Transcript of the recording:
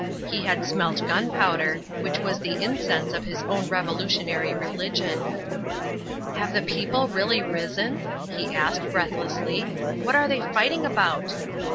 He had smelt gunpowder, which was the incense of his own revolutionary religion. "Have the people really risen?" he asked, breathlessly. "What are they fighting about?"